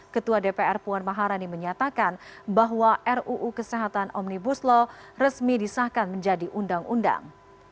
ketua dpr puan maharani menyatakan bahwa ruu kesehatan omnibus law resmi disahkan menjadi undang undang